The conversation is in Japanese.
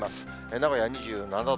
名古屋２７度。